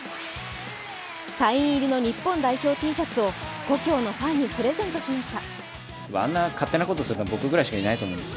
サイン入りの日本代表Ｔシャツを故郷のファンにプレゼントしました。